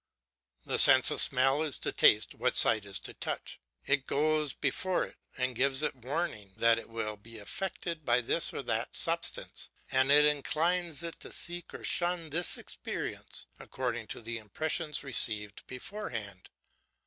The sense of smell is to taste what sight is to touch; it goes before it and gives it warning that it will be affected by this or that substance; and it inclines it to seek or shun this experience according to the impressions received beforehand.